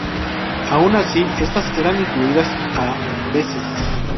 Aun así estas eran incluidas a veces.